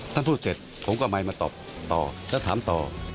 ท่านพูดเสร็จผมก็ไม่มาตอบต่อแล้วถามต่อ